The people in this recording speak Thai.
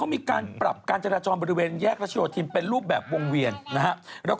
นี่พอเอาสะพานออกแล้วปุ๊บทำวงเวียนเขาบอก